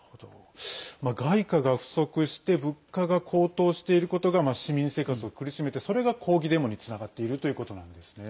外貨が不足して物価が高騰していることが市民生活を苦しめてそれが抗議デモにつながっているということなんですね。